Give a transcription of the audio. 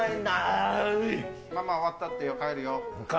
ママ終わったって、帰るよ。